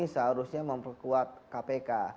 seharusnya memperkuat kpk